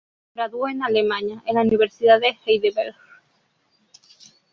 Se graduó en Alemania en la Universidad de Heidelberg.